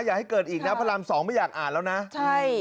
อย่าให้เกิดอีกนะพระรามสองไม่อยากอ่านแล้วนะใช่